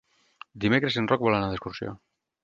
Dimecres en Roc vol anar d'excursió.